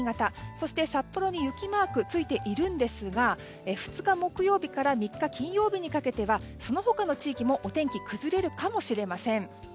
そして、札幌に雪マークついているんですが２日木曜日から３日の金曜日にかけてはその他の地域もお天気が崩れるかもしれません。